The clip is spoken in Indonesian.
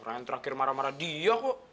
orang yang terakhir marah marah dia kok